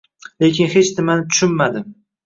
lekin hech nimani tushunmadi: